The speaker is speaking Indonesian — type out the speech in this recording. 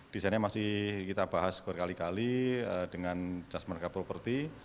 desainnya masih kita bahas berkali kali dengan just mereka property